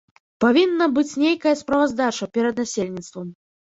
Павінна быць нейкая справаздача перад насельніцтвам.